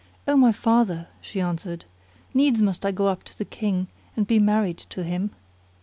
"O my father," she answered, "needs must I go up to this King and be married to him."